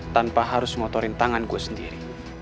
tanpa harus motorin tangan gue sendiri